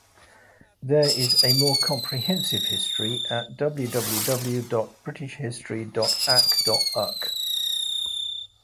There is a more comprehensive history at www dot british-history dot ac dot uk.